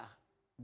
jokowi itu udah ada